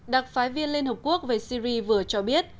đặc phái viên liên hợp quốc về syri vừa cho biết